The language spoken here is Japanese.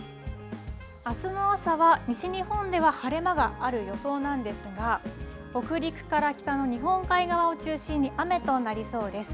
あすの朝は、西日本では晴れ間がある予想なんですが北陸から北の日本海側を中心に雨となりそうです。